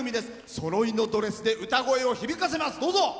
そろいのドレスで歌声を響かせます。